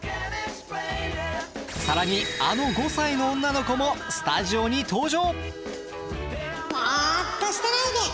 更にあの５歳の女の子もスタジオに登場！